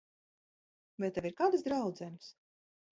Vai tev ir kādas draudzenes?